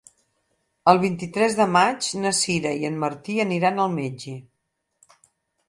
El vint-i-tres de maig na Sira i en Martí aniran al metge.